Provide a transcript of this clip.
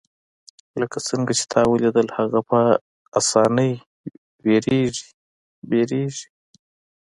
لکه څنګه چې تا ولیدل هغه په اسانۍ ویریږي